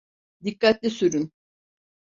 Dikkatli sürün.